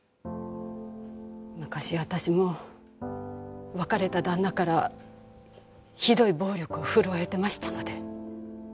昔私も別れた旦那からひどい暴力を振るわれてましたので。